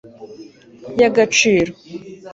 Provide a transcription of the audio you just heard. y'agaciro